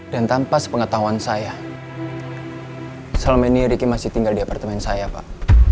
dan tanpa sepengetahuan saya selama ini riki masih tinggal di apartemen saya pak